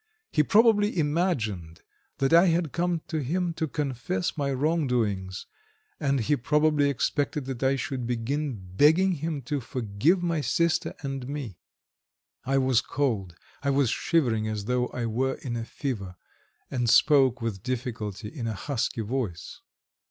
He probably imagined that I had come to him to confess my wrong doings, and he probably expected that I should begin begging him to forgive my sister and me. I was cold, I was shivering as though I were in a fever, and spoke with difficulty in a husky voice.